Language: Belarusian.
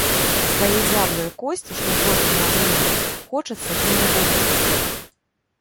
Свае зяблыя косці, што злосцю набрынялі, хочацца ім разагрэць.